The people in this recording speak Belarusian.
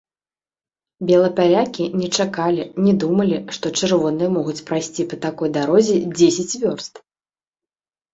Белапалякі не чакалі, не думалі, што чырвоныя могуць прайсці па такой дарозе дзесяць вёрст!